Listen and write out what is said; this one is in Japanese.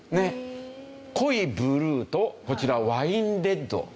濃いブルーとこちらワインレッド。